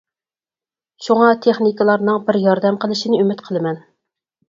شۇڭا تېخنىكلارنىڭ بىر ياردەم قىلىشىنى ئۈمىد قىلىمەن.